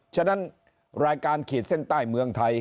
ฉะนั้นรายการขีดเส้นใต้เมืองไทย